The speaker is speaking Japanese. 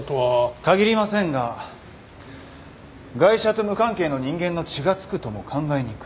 限りませんがガイシャと無関係の人間の血が付くとも考えにくい。